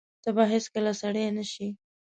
ته به هیڅکله سړی نه شې !